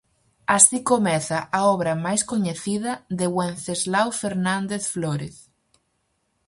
Así comeza a obra máis coñecida de Wenceslao Fernández Flórez.